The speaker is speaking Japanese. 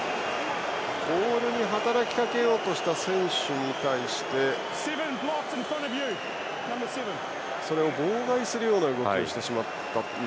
ボールに働きかけようとした選手に対してそれを妨害するような動きをしてしまったという。